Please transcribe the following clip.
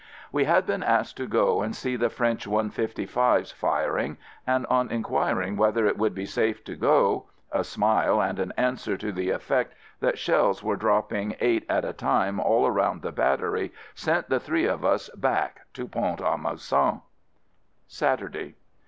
We had been asked to go and see the French "155's" firing, and on in quiring whether it would be safe to go — a smile and an answer to the effect that shells were dropping eight at a time all around the battery sent the three of us back to Pont a Mousson. Saturday.